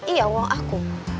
iya uang aku